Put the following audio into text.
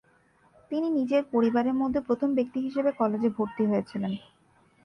তিনি নিজের পরিবারের মধ্যে প্রথম ব্যক্তি হিসাবে কলেজে ভর্তি হয়েছিলেন।